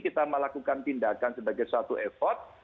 kita melakukan tindakan sebagai satu effort